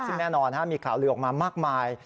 ซึ่งแน่นอนมีข่าวลือออกมามากมาย